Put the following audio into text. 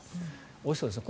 おいしそうですね。